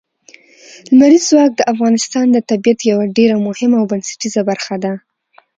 لمریز ځواک د افغانستان د طبیعت یوه ډېره مهمه او بنسټیزه برخه ده.